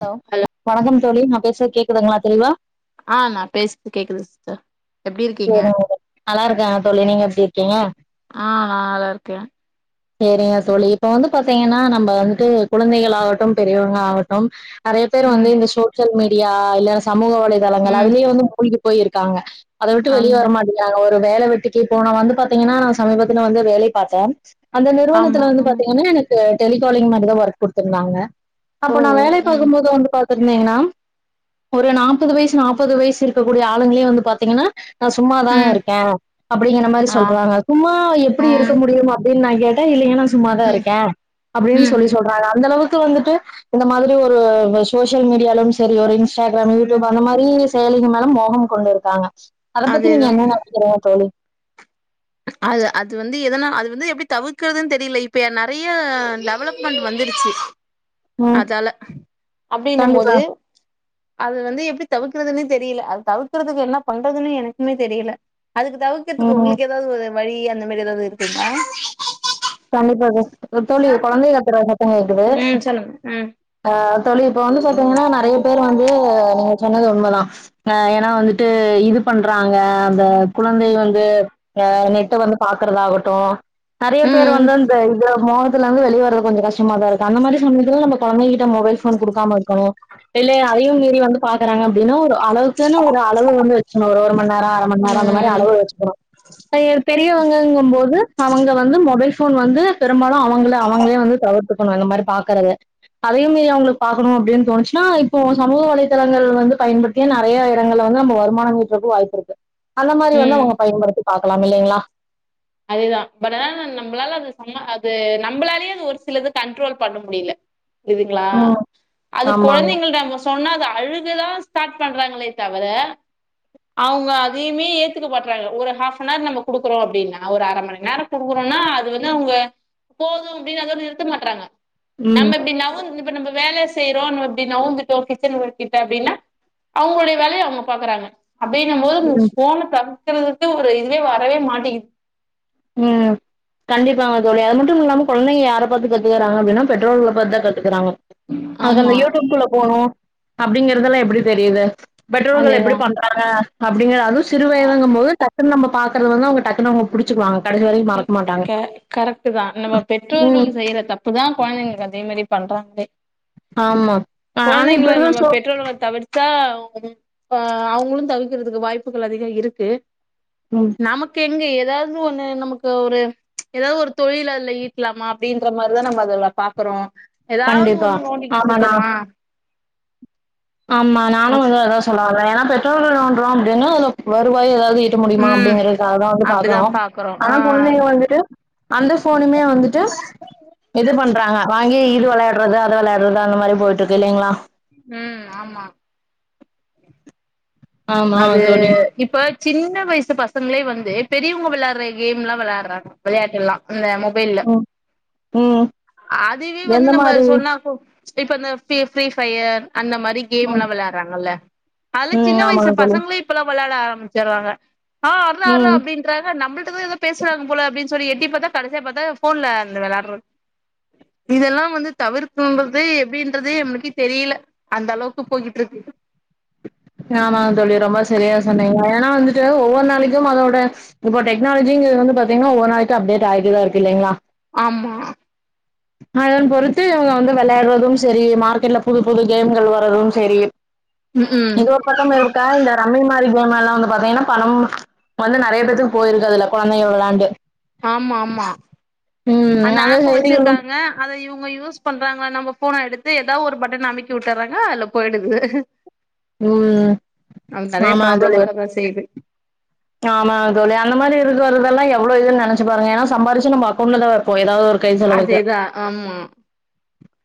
Hello வணக்கம் தோழி நா பேசுறது கேக்குதுங்ளா தெளிவா ஆ நா பேச்து கேக்குது சிஸ்டர் எப்டி இருக்கீங்க சேரிங்க தோ நல்லா இருக்காங்க தோழி நீங்க எப்டி இருக்கீங்க ஆ நா நல்லா இருக்கே சேரிங்க தோழி இப்ப வந்து பாத்தீங்கன்னா நம்ப வந்ட்டு குழந்தைகள் ஆகட்டு பெரியோங்கள் ஆகட்டு நெறய பேர் வந்து ம் இந்த சோசியல் மீடியா இல்ல சமூக வலைதளங்கள் ம் அதுலயே வந்து மூழ்கி போய் இருக்காங்க அத விட்டு வெளியே ஆமா வர மாட்டேங்கிறாங்க ஒரு வேல வெட்டிக்கு போனா வந்து பாத்தீங்கன்னா நா சமீபத்துல வந்து வேலை பாத்தே அந்த ஆமா நிறுவனத்துல வந்து ம் பாத்தீங்கன்னா எனக்கு டெலிகாலிங் மட்டு தா ஒர்க் குடுத்துருந்தாங்க ஓ அப்ப நா ஓ வேலை ம் போகுபோது வந்து பாத் தீங்கன்னா ஒரு நாப்பது வயசு நாப்பது வயசு இருக்க கூடிய ஆளுங்களே வந்து பாத்தீங்கன்னா நா சும்மாதாங்க ம் இருக்கே அப்டிங்கிற மாரி ஆ சொல்றாங்க சும்மா எப்டி ம் இருக்க முடியு அப் டின் நா கேட்டே இல்லிங்க நா சும்மாதா ம் இருக்கே அப்டின்னு சொல்லி ம் சொல் றாரு அந்த அளவுக்கு வந்துட்டு இந்த மாதிரி ஒரு சோசியல் மீடியாலும் செரி ஒரு இன் ஸ்டாகிராம் ம் யூடியூப் அந்த மாரி செயலிகள் மேல மோகம் கொண்டு இருக்காங்க அத பத்தி நீங்க அதேதா என்ன நெ னக்கிறீங்க தோழி அது அது வந்து எதனா அது வந்து எப்டி தவுக்றதுன் தெரில இப்ப நெறய லெவலப் மென்ட் வந்துடுச்சு ம் அதால அப்டின்ன கண்டிப்பா மோது அது வந்து எப்டி தவுக்றதுன்னே தெரில அது தவுக்றதுக்கு என்ன பண்றதுன்னு எனக்குமே தெரில அதுக்கு தவுக்றதுக்கு ம் உங்ளுக்கு ஏதாது ஒரு வழி அந்த மாரி ஏதாவுது இருக்குங்ளா கண்டிப்பா தோ தோழி கொழந்தை கத்துற சத்த கேக்குது ம் சொல்லுங்க ஆ தோழி இப்ப வந்து பாத்தீங்ன்னா நெறய பேர் வந்து நீங்க சொன்னது உண்மதா அ ஏனா வந்துட்டு இது பண்றாங்க அந்த குழந்தை வந்து ஆ நெட்ட வந்து பாக்றதா ஆகட்டு ம் பேர் ம் வந்து அந்த இதுல மோகத்துலர்ந்து வெளி வரது கொஞ்ச கஷ்டமா தா இருக்கு அந்த மாரி சமயத்துல நம்ப கொழந்தைகிட்ட மொபைல் ஃபோன் குடுக்காம இருக்கணு இல்லையா அதயு மீறி வந்து பாக்குறாங்க அப்டின்னா ஒரு அளவுக்குனு ஒரு அளவு ஒன்னு வச்சுக்ணு ஒரு ஒரு மண்ணேரோ அர மண்ணேரோ அந்த மாரி ம் அளவு வச்சுக்கணு அய பெரியவங்கங்க போது அவங்க வந்து மொபைல் ஃபோன் வந்து பெரும்பாலு அவங்கள அவங்களே வந்து தவிர்த்துக்கணு அந்த மாரி பாக்குறத அதயு மீறி அவுங்ளுக் பாக்கணு அப்டின் தோணுச்னா இப்ப சமூக வலைதளங்கள் வந்து பயன்பட் கே நெறய எடங்கல்ல வந்து நம்ம வருமான மீட்றக்கு வாய்ப்பு இருக்கு அந்த மாரி வந்து ம் அவுங்க பயன்படுத்தி பாக்லா இல்லேங்ளா அதேதா பட் அதால நம்ப்ளால அது சம அது நம்பளாலேயே அது ஒரு சிலது கண்ட்ரோல் பண்ண முடில இதுங்ளா ம். அது ஆமாங்க. கொழந்தைங்ள்ட்ட மோஸ் சொன்னா அது அழுகுதா ஸ்டார்ட் பண்றாங்ளே தவர அவுங்க அதைமே ஏத்துக்க மாட்றாங்க ஒரு ஹாஃப்பனார் நம்ம குடுக்குறோ அப்டினா நா ஒரு அர மணி நேர குடுக்குறோனா அது வந்து அவுங்க போது அப்டின் அதோட நிறுத்த மாட்றாங்க நம்ப ம். இப்டி நவ்ந் இப்ப நம்ப வேலச் செய்றோன் நம்ப இப்டி நவுந்துட்டோ கிச்சன் ஒர்கிட்ட அப்டின்னா அவுங்ளுடய வேலய அவுங்க பாக்குறாங்க அப்டின போது இந்த ம். ஃபோன தவுக்றதுக்கு ஒரு இதுவே வரவே மாட்டேங்குது ம் கண்டிப்பாங்க தோழி அது மட்டும் இல்லாம கொழந்தைங்க யார பாத்து கத்துக்றாங்க அப்டினா பெற்றோர்கள பாத் தா கத்துக்றாங்க அத ஆமா அந்த யூடியூப்குள்ள போணு அப்டிங்றதெல்லா எப்டி தெரியுது பெற்றோர்கள் எப்டி அதேதான். பண் அ அப்டிங் அது அ சிறுவயதிங்கும் போது டக்குன் நம்ம பாக்கறது வந்து அவங்க டக்குனு அவுங்க புடிச்சுக்வாங்க கே க கரெட்டு தா நம்ம ம். பெற்றோர்கள் செய்ற தப் புதா கொழ்ந்தைங்ளுக் அதே மேரி பண்றாங்ளே ஆமா. ஆ ஆனா இப்ப கொழந்திங்ள இருக்கிற நம்ம சோ பெற்றோர்கள தவிர் த்தா அவ்ங்களு அ அவ்ங்ளு தவிக்கிறுதுகு வாய்ப்புகள் அதிக இருக்கு ம் நமக் எங்க ஏதாது ஒண்ணு நமுக் கு ஒரு ஏதாது ஒரு தொழிலதுல ஈட்லாமா அப்டிங்ற மார்தா நம்ம அதுல பாக்குறோ ஏதாவ்து கண்டிப்பா ஒண்ணு நோண்டிகிட் ஆமாண்ணா ருக்கோமா ஆமா நானு வந்து அதா சொல்லா வர்ரே ஏனா பெற்றோர்கள் நோண்றோ அப்டினு அது வருவாய் ஏதாது இ ருக்க முடிய்மா ம் அப்டிங்கறகாகதா வந்து பாக்றோ அப்டிதான் பாக்குறோம் ஆனா ஆ குழந்தீங்க வந்துட்டு அந்த ஃபோனுமே வந்துட்டு இது பண்றாங்க வாங்கி இது விளையாட்றது அத விளையாட்றது அந்த மாரி போய்ட்ருக்கு இல்லீங்ளா ம் ஆமா ஆமா அது தோழி இப்ப சின்ன வயசு பசங்ளே வந்து பெரியவ்ங்க வெளாட்ற கேம் லா வெளாட்றாங்க வெளயாட்டு ல்லா இந்த மு வேல்ல ம் ம் அதுவே வந்து எந்த நம்ம மாதிரி சொன்னா கு இப்ப இந்த ஃபீ ஃபீரீ ஃபயர் அந்த மாரி கேம் ம் லா வெளாறாங்கல்ல அதுல சின்ன ம். வயசு ஆமாங்க தோழி கிளே இப்பலா வெளாட ஆரம்பிச்சிர்ராங்க ஆ அட்ர அட்ரா ம் அப்டின் றக நம்புள்டதா எதோ பேச்றாங்க போல அப்டின் சொல்லி எட்டி பாத்தா கடசியா பாத்தா ஃபோன்ல அந்த வெளான்ற இதெல்லா வந்து தவிர்குங்கதே எப்டின்றதே எம்ளுக்கி தெரிய்ல அந்த அளுவுக்கு போய்கிட் ருக்கு ஆமாங் தோழி ரொம்ப சரியா சொன்னீங்க ஏனா வந்துட்டு ஒவ்வொரு நாளிக்கு அதோட இப்போ டெக்னாலஜிங்கறது வந்து பாத்தீங்னா ஒர் நாளேக்கா அப்டேட் ஆய்டுதா இருக் இல்லேங்ளா ஆமா அதன் பொறுத்து இவங்க வந்து வெளாட்றதும் செரி மார்க்கெட்ல புது புது கேம்கள் வரது செரி ம்ஹூம் பக்கம் இருக்கா இந்த ரம்மி மாரி கேம் எல்லா வந்து பார்த்தீங்கன்னா பணம் வந்து நெறைய பேத்துக்கு போயிருக்கு அதுல்ல கொழந்தைக வெளையாண்டு ஆமா ஆமா ம் அந்த ஏப்பு செய்திகளும் வச்சிருக்காங்க அத இவங்க யூஸ் பண்றாங்க நம்ம ஃபோனை எடுத்து ஏதாவது ஒரு பட்டன அமுக்கி வுட்டுர்றாங்க அது போயி்டுது ம் அங்க நெறைய ப்ராப்ளம் வரதா செய்து ஆமாங் தோழி அந்த மாரி இருக்கறதெல்லா எவ்ளோ இது நெனைச்சு பாருங்க ஏன்ன சம்பாரிச்சு நம்ம அக்கவுண்ட்ல தா இப்போ ஏதாவது ஒரு கை செலவுக்கு அதேதா ஆமா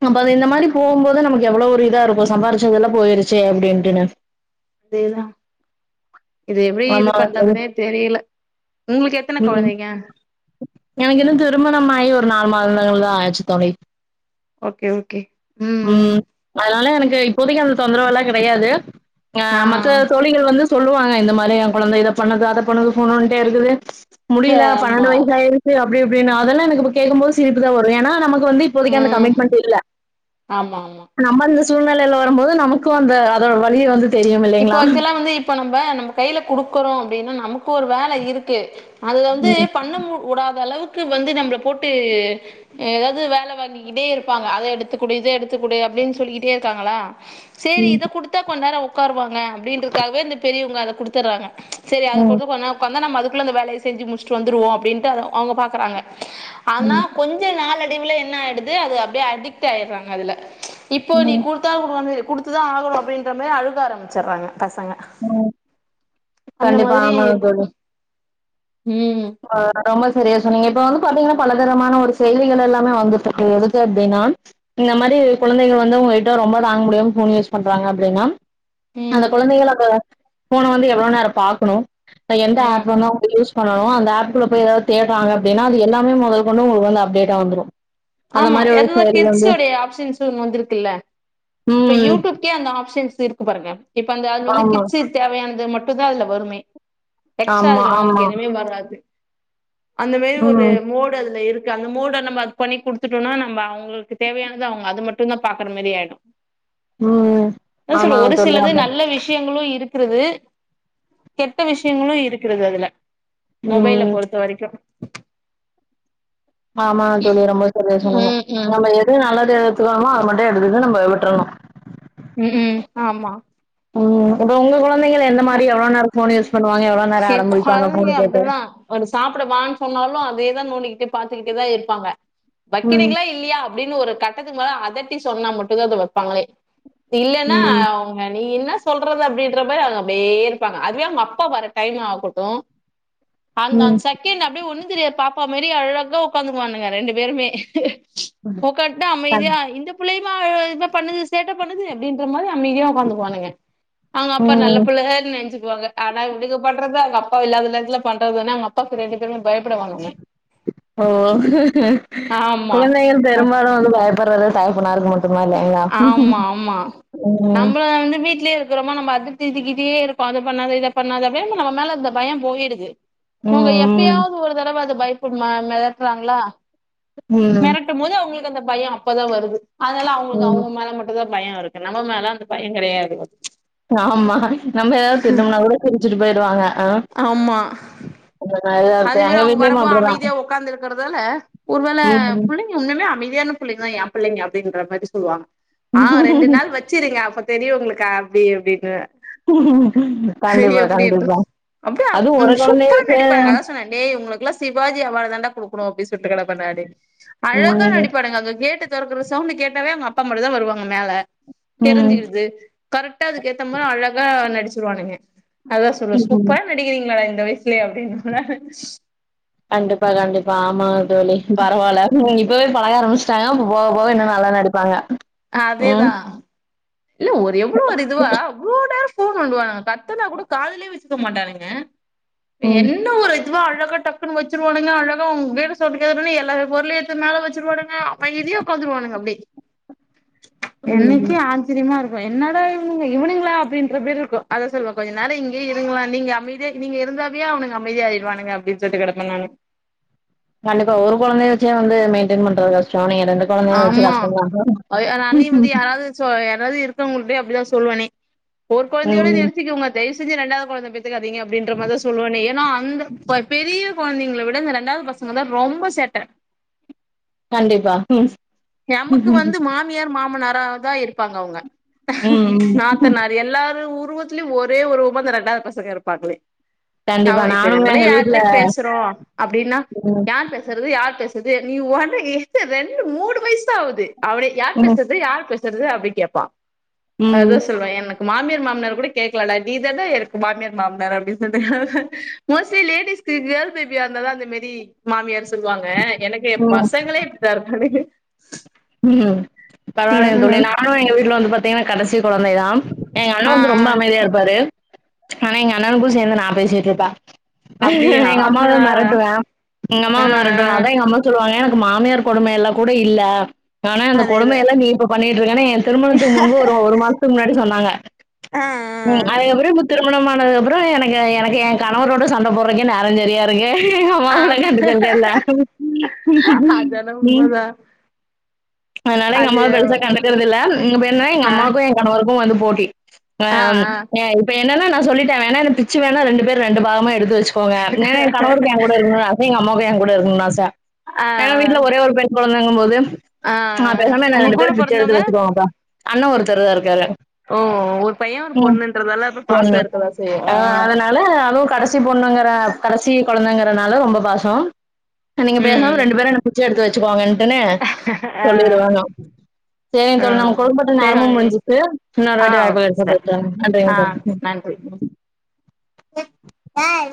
அப்போ அது இந்த மாரி போம்போது நமக்கு எவ்ளோ ஒரு இதா இருக்கு சம்பாரிச்சதெல்லாம் போயிருச்சு அப்டின்ட்டுன்னு அதேதா இத எப்டி இது ஆமா தோழி பண்றதுன்னே தெரியல உங்களுக்கு எத்தனை ம் கொழந்தைங்க எனக்கு இன்னு திருமணமாகி ஒரு நாலு மாதங்கள் தா ஆச்சு தோழி ஓகே ஓகே ம் ம் அதனால எனக்கு இப்போதைக்கி அந்த தொந்தரவு எல்லா கிடையாது அ ஆ மத்த தோ ழிகள் வந்து சொல்லுவாங்க இந்த மாதிரி எ குழந்தை இத பண்ணுது அத பண்ணுது ஃபோன் நோன்டிட்டே இருக்குது முடியல ஆமா பன்னெண்டு வயசு ஆயிருச்சு அப்டி இப்டின்னு அதெல்லா எனக்கு இப்ப கேட்கும் போது சிரிப்புதா வரு ஏன்னா நமக்கு வந்து இப்போதைக்கி அந்த ம் கமிட்மெண்ட் இல்ல ஆமா ஆமா நம்ம இந்த சூழ்நிலையில வரும்போது நமக்கு அந்த அதோட வலிய வந்து தெரியும் இப்போ இல்லைங்களா? ஆக்சுவலா வந்து இப்ப நம்ம நம்ம கையில குடுக்குறோ அப்டின்னா நமக்கு ஒரு வேல இருக்கு அதுல வந்து ம், பண்ணம்மு வுடாத அளவுக்கு வந்து நம்ள போட்டு ஏதாவ்து வேல வாங்கிக்கிட்டே இருப்பாங்க அத எடுத்துக்கொடு இத எடுத்துக்கொடு அப்டின் சொல்லிக்கிட்டே இருக்காங்களா சரி ம், இத குடுத்தா கொன் நேரவ் உக்காருவாங்க அப்டின்றதுக்காகவே இந்த பெரியவங்க அத குடுத்தர்றாங்க சரி அத ம், கொண்டு போனா உக்காந்தா நம்ம அதுக்குள்ள அந்த வேலை செஞ்சி முடிச்ட்டு வந்துருவோ அப்படின்ட்டு அதவ் அவ்ங்க பாக்கறாங்க ஆனா ம், கொஞ்சு நாளடைவுல என்ன ஆய்டுது அது அப்டே அடிக்ட் ஆய்றாங்க அதுல இப்போ நீ ம், குடு த்தா வுடுவானே குடுத்துதா ஆகணு அப்டின்ற மாரி அழுக ஆரம்பிச்சிர்றாங்க பசங்க ம். அந்த கண்டிப்பா. மாதிரி ஆமாங்க இர்க்கு ம் ரொம்ப சரியா சொன்னிங்க இப்ப வந்து பாத்தீங்கன்னா பலதரமான ஒரு செய்திகள் எல்லாமே வந்துட்ருக்கு எதுக்கு அப்டின்னான் இந்த மாரி குழந்தைங்க வந்து உங்க கிட்ட ரொம்ப தாங்க முடியாம் ஃபோன் யூஸ் பண்றாங்க அப்டின்னாம் ம் அந்த குழந்தைகள க ஃபோன வந்து எவ்ளோ நேர் பாக்கணு ஆ எந்த ம் ஆப் வந்து அவுங்க யூஸ் ஆ அந்த ஆப் குல்ல பெய் ஏதாவ் தேட்றாங்க அப்டின்னா அது எல்லாமே முதல் கொண்டு உங்களுக்கு வந்து அப்டேட்டா வந்துரு ஆமா எதுதா கிட்ஸ்யுடைய ஆப்ஷன்ஸுன் ஒன் வந்துருக்குல்ல இப்ப ம். யூடூப்கே அந்த ஆப்ஷன்ஸ் இருக்கு பாருங்க இப்ப அந்த அது வந்து ஆமா. கிச்சித் தேவையான்து மட்டு தா அதல வருமே எக்ஸ்ட்ரா ஆமா, அதுல ஆமா. உங்களுக் எதுமே வராது அந்த மேரி ஒரு ம். மோடு அதுல இருக் கு அந்த மோடா அந்த மாத் பண்ணி குடுத்துட்டோனா நம்ப அவ்ங்கள்க்கு தேவையானத அவ்ங்க அது மட்டுதா பாக்கற மாரி ஆய்டு ஓ நா சொல்லு ஒரு சிலது நல்ல விஷ் டியன்களு இருக்றுது கெட்ட விஷயங்களு இருக்றுது அதுல மொபைல ம். பொறுத்த வரைக்கு ஆமா தோழி ரொம்ப ம் சந்தோஷமு ம் நம்ம எது நல்லது எடுத்துக்கணுமோ அர் மட்டு எடுக்குது நம்ம விட்றணு ம்ம் ஆமா உம் இப்ப உங்க குழந்தைகள் எந்த மாரி எவ்ளோ நேர ஃபோனு யூஸ் பன்னுவாங்க எவ்ளோ நேர சரி அடம்பிடிப்பாங்க கொழந்தைங்க ஃபோனு கேட்டு அப்டிதா ஒரு சாப்புட வான் சொன்னாலு அதேதா நோண்டிக்கிட்டு பாத்துக்கிட்டே தா இருப்பாங்க ம் வக்கிரீங்ளா இ இல்லியா அப்படின்னு ஒரு கட்டத்து மேல அதட்டி சொன்னா மட்டு தா அத வெப்பாங்ளே இல்லேன்னா ம் ஆவ் ஓங்க நீ என்ன சொல்றது அப்டின்ற மாதி அதுங்க அப்டே இருப்பாங்க அதுவே அவ்ங் அப்பா வரட் டைம் ஆகுட்டு அந்த் ம் ஆன்சக் கே அந்த அப்டே ஒண்ணு தெரியாத் பாப்பா மெரி அழகா உக்காந்துக்வானுங்க ரெண்டு பேருமே உக்காந்ட்டா அ அமைதியாய் இந்த புள்ளையுமா அழு இத பண்ணுது சேட்டப் பண்ணுது அப்டின்ற மாதி அமைதியா ஒக்காந்துக்வானுங்க அவ்ங்க அப்பா நல்ல ம் பிள்ளேன் நென்ச்சிக்வாங்க ஆனாய் விடுக பன்றத்தா அங்க அப்பா இல்லாத நேரத்துல பண்றதுனா அங் அப்பாக்கு ரெண்டு பேர்யு பயப்படுவானுங்க ஓ ஆமா குழந்தைகள் அஹ் பெரும்பாலும் வந்து பயப்பறத தகப்பனா இருக்க மட் ஆமா ஆமா ம் நம்ப்ள வந்து வீட்லிவ் தூறமா நம்ம அது திட்டிக்கிட்டே இரு ப்பாது பண்ணாத இத பண்ணாத அப்டே நம்ம மேல இந்த பயம் போயிடுது உங்க ம் ம் எப்பயாவ்து ஒரு தடவ அது பயப்புடுமா மிரட்றாங்ளா ம் ட்டும்போது அவ்ங்ளுக் அந்த பயோ அப்பதா வருது அதுனால அவ்ங்ளுக்கு ம். அவ்ங்க மேல மட் அதா பயோ இருக்கு நம்ம மேல அந்த பயன் கெடையாது ஓக் ஆமா நம்ம ஏதாவ் திட்டும்னா கூட கிரிச்சிட்டு போய்டுவாங்க ஆ ஆமா [unintelligible] அதேமாரி அவங் வீட்லயும் வரம்போ அப்டிதா அமைதியா உக்காந்து இருக்குற்தால ஒருவேள ம் புள்ளி உன்னுமே அமைதியான புள்ளிங்க தா யா பிள்ளைங்க அப்டின்ற மாரி சொல்லுவாங்க ஆ ரெண்டு நாள் வச்சிரிங்க அப்பத் தெரியு உங்ளுக்கா அப்டி இப்டின்னு கண்டிப்பா எப்டி இரு கண்டிப்பா [unintelligible] அப்டியா அதுவு ஒரு குழந்தைய சூப்பரா வச்சு நடிப்பனுங்க அத டே உங்களுக்கெல்லா சிவாஜி அவாடு தாண்டா குடுக்கணு அப்டி சொல்ட்டு கெடப்ப நானு அழகா ம் நடிப்பாடுங்க அங்க கேட்டு தெறக்கற சவுண்ட கேட்டாவே அவுங்க அப்பா மட்டு தா வருவாங்க மேல ம் தெரிஞ்சிக்கிடுது கரெக்டா அதுக்கேத்த மார அழகா நடிச்சிருவானுங்க அதா சொல்வே ம் சூப்பரா நடிக்கிறீங்களாடா இந்த வய்ஸ்லே அப்டி சொல்வே கண்டிப்பா கண்டிப்பா ஆமா தோழி பரவால்ல இப்பவே பழக ஆரம்பிச்சி டானா அப்ப போக போக இன்னு நல்லா நடிப்பாங்க ம், அதேதா இல்ல ஒரு எவ்ளோ ஒரு இதுவா அவ்ளோ நேரோ ஃபோன் நோன்டுவானா கத்துனா கூட காதுலே வெச்சிக்க மாட்டானுங்க ம், என்ன ஒரு ரொம்ப அழகா டக்குனு வெச்சுருவானுங்க அழகா அவுங் வேற சவுண்ட் கேட்ட உடனே எல்லா பொருளையு எட்த்து மேல வெச்சுருவானுங்க அமைதியா உக்காந்துருவானுங்க அப்டி இன்னைக்கு ம். ஆ ச்சரியமா இருக்கு என்னட இவுனுங்க இவனுங்களா அப்டின்ற பேரு இருக்கு அத சொல்லுவே கொஞ்ச நேரோ இங்கியே இருங்ளே நீங்க அமைதியா நீங்க இருந்தாவே அவனுங்க அமைதிய ஆயிடுவானுங்க அப்டின் சொல்ட்டு கெடப்பே நானு கண்டிப்பா ஒரு கொழந்தைய வெச்சே வந்து மெயின்டென் பண்றது கஷ்டோ ஆனா நீங்க ரெண் டு கொழந்தைய வெச்சு ஆமா கஷ்டந்தாங்க சோ யாராவ்து இருக்கவங்கள்ட்டயே அப்டிதா சொல்லுவனே ஒரு கொழந்தையோட ம். நிறுத்திக்கோங்க தயவு செஞ்சு ரெண்டாவ்து கொழந்த பெத்துக்காதீங்க அப்டின்ற மார தா சொல்லுவனே ஏனா அந்த பெ பெரிய கொழந்தைங்கள விட இந்த ரெண்டாவது பசங் க தா ரொம்ப சேட்ட கண்டிப்பா ம் நமக்கு வந்து மாமியார் மாமனார தா இருப்பாங்க அவுங்க ம். நாத்தனார் எல்லாரு உருவத்துலியு ஒரே உருவமா இந்த ரெண்டாவ்து பசங்க இருப்பாங்ளே நா கண்டிப்பா. இப்ப நானுமே நம்மளே எங்க வீட்ல யாருட்ட பேசறோ அப்டின்னா ம், யார் பேச றது யார் பேஸ்றது நீ ஒன்ற என்ன ரெண்டு மூணு வய்ஸ் ஆவுது அப்டே யார் ம், பேசறது யார் பேஸ் அப்டி கேப்பா ம், சொல்லுவே எனக்கு மாமியார் மாமனார் கூட கேக்கலடா நீ இத தா இருக்கு மாமியார் மாமனார் அப்டின் சொல்ட்டு மோஸ்லி லேடிஸ்கு கேர்ள் பேபிய இருந்த தா அந்த மாரி மாமியார் சொல்லுவாங்க எனக்கு ஏ ம், பசங்களே இப்டி தா இருப்பானுங்க ம் பரவால்லங் தோழி ம் நானு எங்க வீட்ல வந்து பாத் தே இவ கடைசி கொழந்தை தா எங்க அண்ணா ஆ வந்து ரொம்போ அமைதியா ஆ இருப்பாரு ஆனா எங்கண்ணனுக்கு சேந்து நா பேசிட்ருப்பே அப்டியா எங்க அம்மாவ ஆ மெரட்டுவே எங்க ஆ அம்மாவ மெரட்டுவே ஆ அதா எங்கம்மா சொல்லுவாங்க எனக்கு மாமியார் கொடும எல்லா கூட இல்ல ஆனா அந்த அதேதா கொடுமயெல்லா நீ இப்ப பண்ணிட்ருக்கேனு எ திருமணத்துக்கு முன்பு ஒரு ஒரு மாசத்துக்கு முன்னாடி சொன்னாங்க ஆ ம் அதுக்கப்றோ இப்ப திரு மணம் ஆனதுக்கப்றோ எனக்கு எனக்கு எ கணவரோட சண்ட போட்றக்கே நேரோ செரியா இரு க்கு எங்க அம்மா ஆ கூட ஆமா கண்டுக்கறதே இல்ல அதான ம் உண்மதா அதனால எங்க அது அம்மாவ பெருசா கண்டுக்கறதில்ல இப்ப என்ன எங்க ஆ அம்மாக்கு ஏ கணவருக்கு வந்து போட்டி ஆ இப்ப என்னன்னா நா சொல்லிட்டே வேணா என்ன பிச்சு வேணா ரெண்டு பேரு ரெண்டு பாகமா எடுத்து வெச்சு க்கோங்க ஏனா ஏ கணவருக்கு ஏ கூட இருக்கணுனு ஆச எங்க அம்மாவுக்கு ஏ கூட இருக்கணுனு ஆச ஆ ஏனா வீட்ல ஒரே ஒரு பெண் கொழந்தங்க போது ஆ நா பேசாம என்ன உங்க ரெண்டு கூட பேரு பிச்சு எடுத்து பொறந்தவங்க வெச்சுக்கோங்கப்பா அண்ண ஒருத்தரு தா இருக்காரு ஓ ஒரு பைய்யே ஒரு ம். பொண்ணுன்றதால அப்ப பாசோ பொண்ணு. இருக்கதா செய்யு அ ஆ அதனால அதுவு கடசி பொண்ணுங்கிற கடசி கொழந்தங்கறனால ரொம்ப பாசோ நீங்க பேசாம ம் ரெண்டு பேரு என்ன பிச்ச எடுக்க வச்சுக்கோங்கன்ட்டுனு ஆ சொல்லிருவே நா சேரிங்க ஆ தோழி நமக்கு குடுக்கபட்ட நேரமும் சரி முடிஞ்சுச்சு ஆ இன்னொருவாட்டி வாய்ப்பு ஓகே கெடச்சா சிஸ்டர் பேசலா நன்றிங்க ஆ தோழி ம் நன்றி ம்